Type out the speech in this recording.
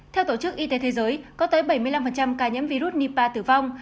theo tổ chức y tế thế giới có tới bảy mươi năm ca nhiễm virus nipa tử vong